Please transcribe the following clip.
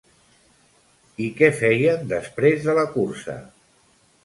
I què feien després de la cursa?